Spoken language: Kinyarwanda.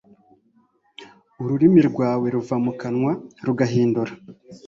ururimi rwawe ruva mu kanwa, ruguhindura